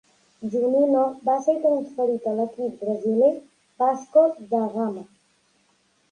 Juninho va ser transferit a l'equip brasiler Vasco da Gama.